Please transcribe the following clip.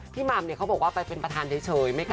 พี่หม่ำเขาบอกว่าไปเป็นประธานเฉย